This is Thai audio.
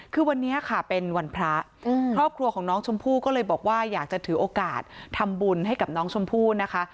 คือวันนี้ค่ะเป็นวันพระครอบครัวของน้องชมพู่ก็เลยบอกว่าอยากจะถือโอกาสทำบุญให้กับน้องชมพู่นะคะ